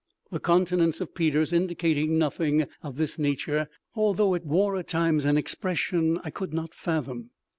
The countenance of Peters indicated nothing of this nature, although it wore at times an expression I could not fathom.